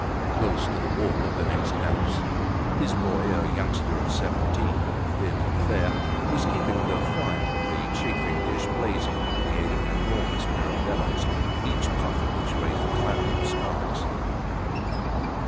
Close to the wall of the next house, his boy, a youngster of seventeen, thin and fair, was keeping the fire of the chafing dish blazing by the aid of an enormous pair of bellows, each puff of which raised a cloud of sparks.